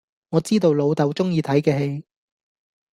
我知道老豆鍾意睇既戲